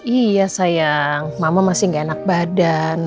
iya sayang mama masih gak enak badan